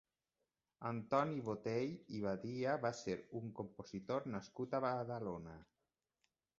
Antoni Botey i Badia va ser un compositor nascut a Badalona.